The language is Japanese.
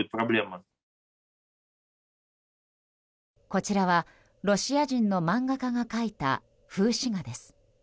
こちらはロシア人の漫画家が描いた風刺画です。